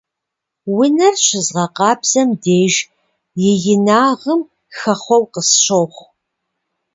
Унэр щызгъэкъабзэм деж и инагъым хэхъуэу къысщохъу.